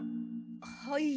はい。